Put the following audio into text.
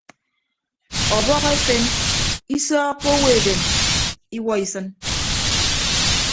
Ọbọhọ efen isọọkkọ owo edem iwuọ isịn.